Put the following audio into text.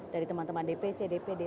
dari teman teman dpc dpd